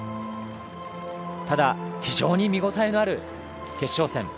ただ、非常に見応えのある決勝戦。